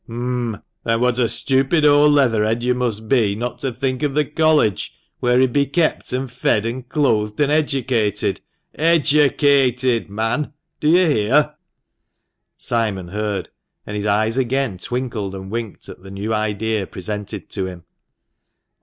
" H'm ! Then what a stupid old leather head you must be not to think of the College, where he'd be kept and fed and clothed and educated !— educated^ man, do you hear ?" Simon heard, and his eyes again twinkled and winked at the new idea presented to him.